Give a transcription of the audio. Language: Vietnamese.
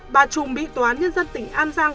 bà trùm bị tòa án nhân dân tỉnh an giang